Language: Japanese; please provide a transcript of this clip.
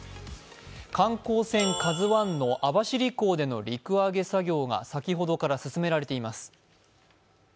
観光船「ＫＡＺＵⅠ」の網走港での陸揚げ作業が先ほどから進められています。